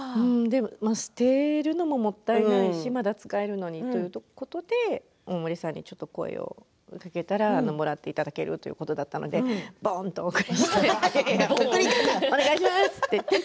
捨てるのももったいないしまだ使えるのにということで大森さんにちょっと声をかけたらもらっていただけるということだったのでいいですね